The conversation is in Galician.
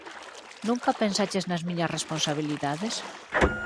Nunca pensaches nas miñas responsabilidades?